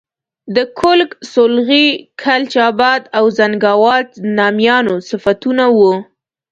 د کُلک، سولغی، کلچ آباد او زنګاوات د نامیانو صفتونه وو.